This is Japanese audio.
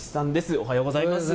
おはようございます。